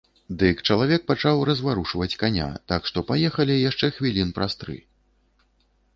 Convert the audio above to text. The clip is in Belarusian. Дык чалавек пачаў разварушваць каня, так што паехалі яшчэ хвілін праз тры.